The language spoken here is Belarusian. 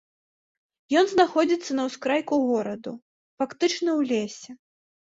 Ён знаходзіцца на ўскрайку гораду, фактычна ў лесе.